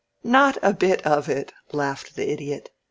"Not a bit of it," laughed the Idiot.